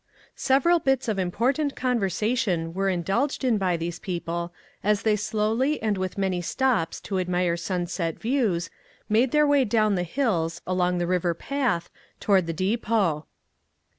SEVERAL bits of important conversation were indulged in by these people as they slowly and with many stops to admire Sunset views, made their way down the hills, along the river path, toward the de pot.